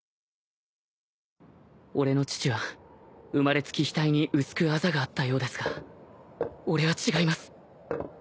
俺の父は生まれつき額に薄くあざがあったようですが俺は違います